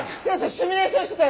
シミュレーションしてた。